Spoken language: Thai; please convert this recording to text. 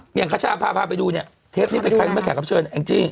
เนี้ยเขาช่างพาไปดูเนี้ยเทปนี้เป็นใครมาแขกลับเชิญ